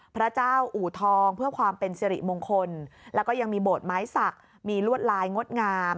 พระเจ้าอู่ทองเพื่อความเป็นสิริมงคลแล้วก็ยังมีโบสถไม้สักมีลวดลายงดงาม